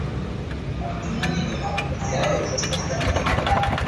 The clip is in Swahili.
pneumonia ni maambukizi yanayojitokeza kwenye mapafu